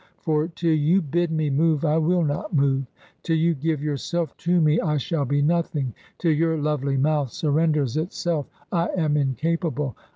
For till you bid me move I will not move ; till you give yourself to me I shall be nothing ; till your lovely mouth surrenders itself I am incapable.